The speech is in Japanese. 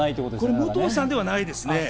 武藤さんではないです。